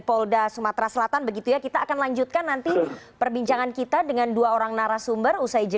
ada satu cekatan untuk saya